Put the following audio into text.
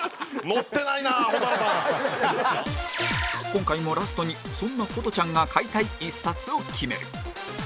今回もラストにそんなホトちゃんが買いたい１冊を決める